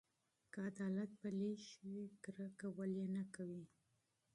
که عدالت پلی شي، کرکه نه ریښې وهي.